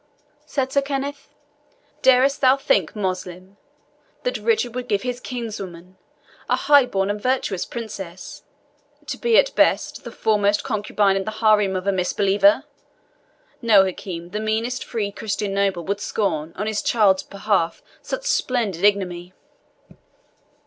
said Sir Kenneth, "darest thou think, Moslem, that Richard would give his kinswoman a high born and virtuous princess to be, at best, the foremost concubine in the haram of a misbeliever? Know, Hakim, the meanest free Christian noble would scorn, on his child's behalf, such splendid ignominy."